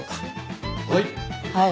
はい！